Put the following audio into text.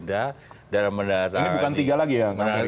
ya dalam menarik ini bukan tiga lagi ya